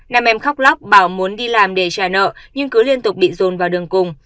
nam em khóc lóc bảo muốn đi làm để trả nợ nhưng cứ liên tục bị dồn vào đường cùng